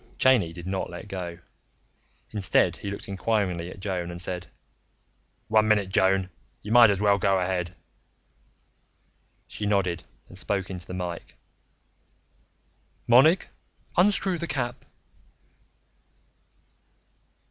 Cheyney did not let go; instead, he looked inquiringly at Joan and said, "One minute, Joan. You might as well go ahead." She nodded and spoke into the mike. "Monig, unscrew the cap."